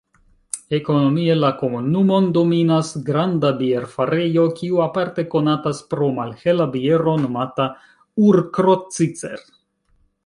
Ekonomie la komunumon dominas granda bierfarejo, kiu aparte konatas pro malhela biero nomata "Ur-Krotzizer".